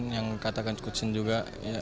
yang katakan cahaya supriyadi juga